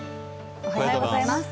おはようございます。